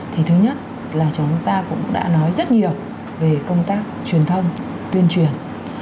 thì thứ nhất là chúng ta cũng đã nói rất nhiều về công tác truyền thông tuyên truyền